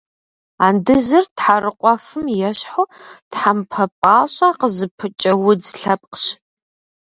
Андызыр тхьэрыкъуэфым ещхьу, тхьэмпэ пӏащӏэ къызыпыкӏэ удз лъэпкъщ.